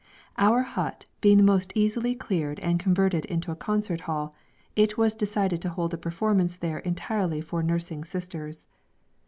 Our hut being the most easily cleared and converted into a concert hall, it was decided to hold a performance there entirely for nursing sisters.